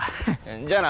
じゃあな。